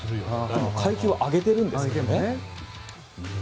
でも階級を上げてるんですよね。